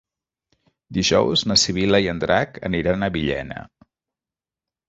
Dijous na Sibil·la i en Drac aniran a Villena.